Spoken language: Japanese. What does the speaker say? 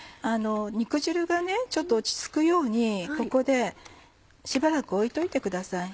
肉汁がちょっと落ち着くようにここでしばらく置いといてください。